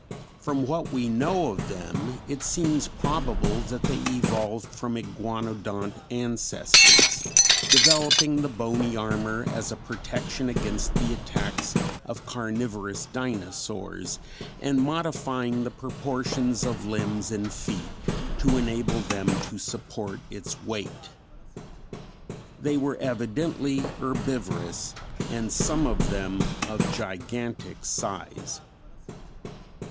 From what we know of them it seems probable that they evolved from Iguanodont ancestors, developing the bony armor as a protection against the attacks of carnivorous dinosaurs, and modifying the proportions of limbs and feet to enable them to support its weight. They were evidently herbivorous and some of them of gigantic size.